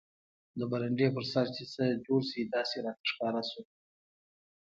د برنډې پر سر چې څه جوړ شي داسې راته ښکاره شو.